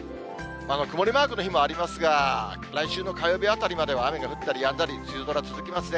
曇りマークの日もありますが、来週の火曜日あたりまでは雨が降ったりやんだり、梅雨空続きますね。